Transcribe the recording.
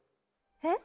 えっ？